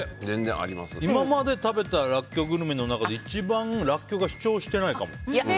今まで食べたらっきょうグルメの中で一番、らっきょうが主張してないかも。